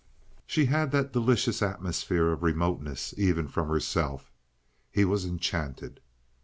She had that delicious atmosphere of remoteness even from herself. He was enchanted.